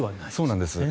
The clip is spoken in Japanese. そうなんです。